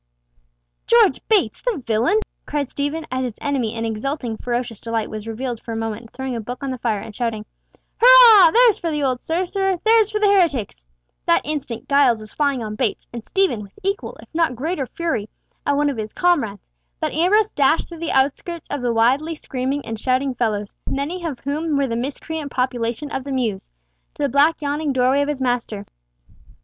"George Bates, the villain!" cried Stephen, as his enemy in exulting ferocious delight was revealed for a moment throwing a book on the fire, and shouting, "Hurrah! there's for the old sorcerer, there's for the heretics!" That instant Giles was flying on Bates, and Stephen, with equal, if not greater fury, at one of his comrades; but Ambrose dashed through the outskirts of the wildly screaming and shouting fellows, many of whom were the miscreant population of the mews, to the black yawning doorway of his master.